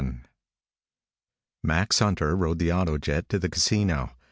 VII Max Hunter rode the autojet to the casino.